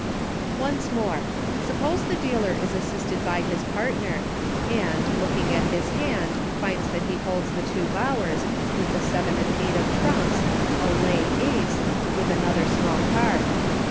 Once more. Suppose the dealer is assisted by his partner, and, looking at his hand, finds that he holds the two Bowers, with the seven and eight of trumps, a lay Ace, with another small card.